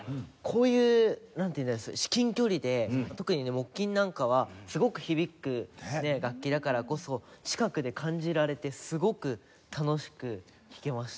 こういう至近距離で特に木琴なんかはすごく響く楽器だからこそ近くで感じられてすごく楽しく聴けました。